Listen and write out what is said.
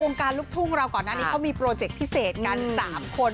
การลูกทุ่งเราก่อนหน้านี้เขามีโปรเจคพิเศษกัน๓คน